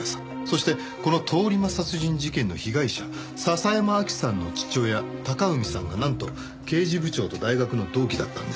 そしてこの通り魔殺人事件の被害者笹山明希さんの父親隆文さんがなんと刑事部長と大学の同期だったんです。